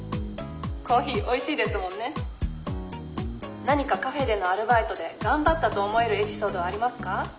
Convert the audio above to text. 「コーヒーおいしいですもんね。何かカフェでのアルバイトで頑張ったと思えるエピソードはありますか？」。